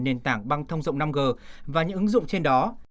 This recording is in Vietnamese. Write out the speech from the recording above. nền tảng băng thông rộng năm g và những ứng dụng trên đó